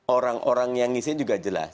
orang orang yang ngisi juga jelas